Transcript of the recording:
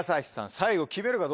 最後決めるかどうか。